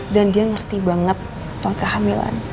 dan dia ngerti banget soal kehamilan